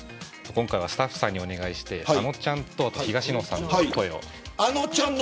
今回はスタッフさんにお願いしてあのちゃんと東野さんの声を。